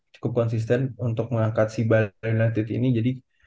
cukup konsisten untuk mengangkat si bali united ini jadi